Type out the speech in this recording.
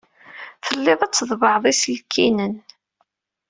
Telliḍ tḍebbɛeḍ iselkinen.